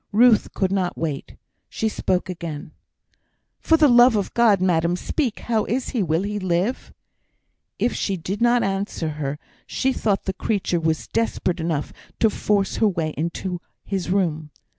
Ruth could not wait; she spoke again: "For the love of God, madam, speak! How is he? Will he live?" If she did not answer her, she thought the creature was desperate enough to force her way into his room.